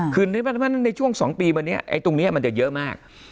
คือในช่วงสองปีเมื่อนี้ไอ้ตรงเนี้ยมันจะเยอะมาก